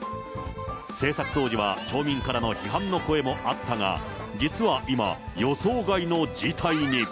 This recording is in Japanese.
製作当時は町民からの批判の声もあったが、実は今、予想外の事態に。